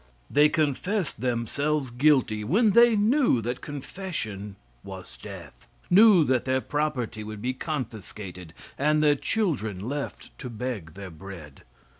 They confessed themselves guilty when they knew that confession was death; knew that their property would be confiscated and their children left to beg their bread.